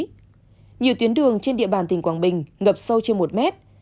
thưa quý vị nhiều tuyến đường trên địa bàn tỉnh quảng bình ngập sâu trên một mét